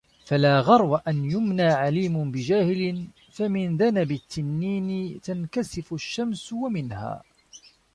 فَلَا غَرْوَ أَنْ يُمْنَى عَلِيمٌ بِجَاهِلِ فَمِنْ ذَنَبِ التِّنِّينِ تَنْكَسِفُ الشَّمْسُ وَمِنْهَا